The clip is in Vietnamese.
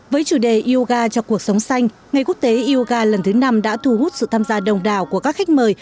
với chủ đề yoga cho cuộc sống xanh ngày quốc tế yoga lần thứ năm đã thu hút sự tham gia đồng đảo của các khách mời